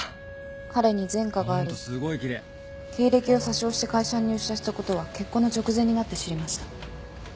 彼に前科があり経歴を詐称して会社に入社したことは結婚の直前になって知りました。